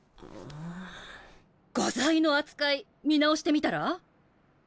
画材の扱い見直してみたら？